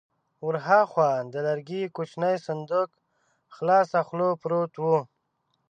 ور هاخوا د لرګي کوچينی صندوق خلاصه خوله پروت و.